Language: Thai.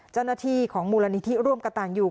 เจ้าหน้าที่ของมูลนิธิร่วมกระต่างอยู่